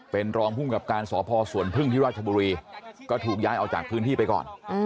เป็นรองภูมิกับการสพสวนพึ่งที่ราชบุรีก็ถูกย้ายออกจากพื้นที่ไปก่อน